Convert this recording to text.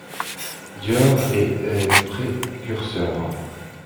Dior est précurseur.